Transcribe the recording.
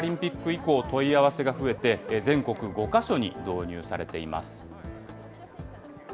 以降、問い合わせが増えて、全国５か所に導入されています。